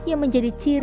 yang menjadi tanda warna